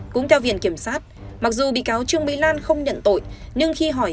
cũng theo viện kiểm soát mặc dù bị cáo trương bị lan không nhận tội